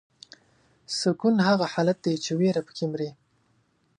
سکون هغه حالت دی چې ویره پکې مري.